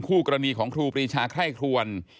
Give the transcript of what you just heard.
คู่กรณีของครูปรีชาไคร่ครวน